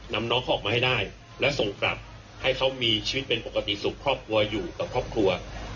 น้องเขาออกมาให้ได้และส่งกลับให้เขามีชีวิตเป็นปกติสุขครอบครัวอยู่กับครอบครัว